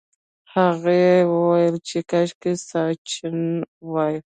هغې وویل چې کاشکې ساسچن وای.